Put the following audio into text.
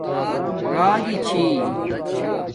راگی چھی